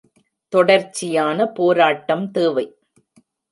தொடர்ச்சியான போராட்டம் தேவை.